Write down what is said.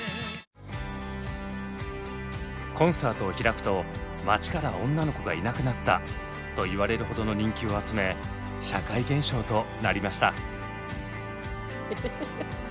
「コンサートを開くと街から女の子がいなくなった」と言われるほどの人気を集め社会現象となりました。